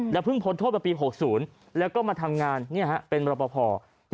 และพึ่งพดโทษปี๖๐และก็มาทำงานเป็นลอบอปภ